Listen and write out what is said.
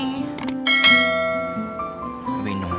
nona mau pergi kemana ya